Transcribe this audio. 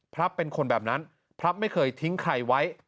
พระเป็นคนแบบนั้นพระไม่เคยทิ้งใครไว้